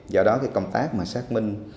do đó cái công tác mà xác minh